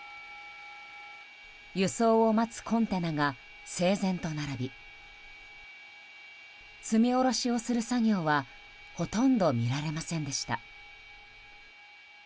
輸送を待つコンテナが整然と並び積み下ろしをする作業はほとんど見られませんでした。